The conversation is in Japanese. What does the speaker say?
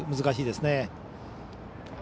難しいですね。